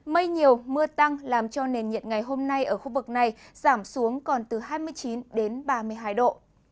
mây nhiều mưa tăng làm cho nền nhiệt ngày hôm nay ở khu vực này giảm xuống còn từ hai mươi chín đến ba mươi hai độ